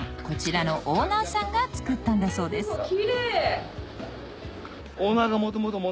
こちらのオーナーさんが作ったんだそうです